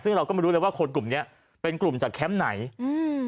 ซึ่งเราก็ไม่รู้เลยว่าคนกลุ่มเนี้ยเป็นกลุ่มจากแคมป์ไหนอืม